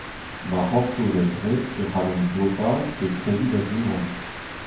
Ma c'hortozez re e c'hallont blotaat pe kregiñ da ziwan.